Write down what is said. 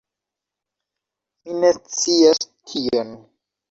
Mi ne scias tion